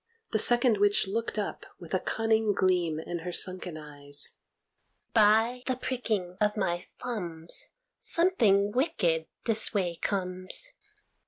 The second witch looked up with a cunning gleam in her sunken eyes. "By the pricking of my thumbs, Something wicked this way comes.